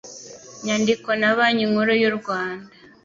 nyandiko na banki nkuru y u rwanda